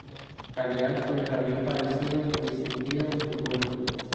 Galeazzo era bien parecido, distinguido y culto.